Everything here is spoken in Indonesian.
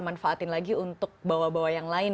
manfaatin lagi untuk bawa bawa yang lain